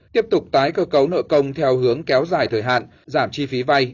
tiếp tục tái cơ cấu nợ công theo hướng kéo dài thời hạn giảm chi phí vay